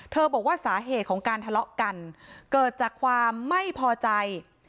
บอกว่าสาเหตุของการทะเลาะกันเกิดจากความไม่พอใจ